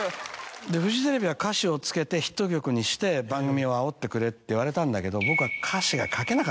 フジテレビは「歌詞をつけてヒット曲にして番組をあおってくれ」って言われたんだけど僕は。